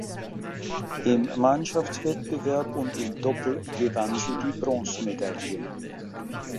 Im Mannschaftswettbewerb und im Doppel gewann sie die Bronzemedaille.